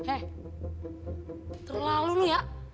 eh terlalu lu ya